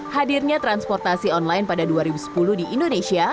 hadirnya transportasi online pada dua ribu sepuluh di indonesia